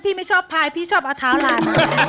พี่ไม่ชอบพายพี่ชอบเอาเท้าร้าน